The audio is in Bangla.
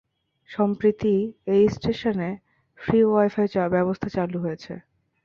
সম্প্রীতি এই স্টেশনে ফ্রি ওয়াইফাই ব্যবস্থা চালু হয়েছে।